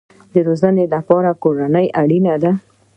د روزنې لپاره کورنۍ اړین ده